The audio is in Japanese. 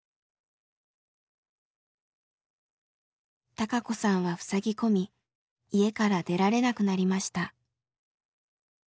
孝子さんはふさぎ込み家から出られなくなりました。